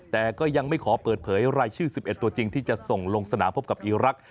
แต่ก็ยังไม่ขอเปิดเผยรายชื่อ๑๑ตัวจริงที่จะส่งลงสนามพบกับอีรักษ